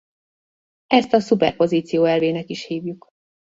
Ezt a szuperpozíció elvének is hívjuk.